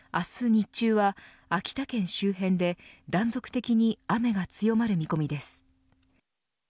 日中は、秋田県周辺で断続的に雨が強まる見込みです。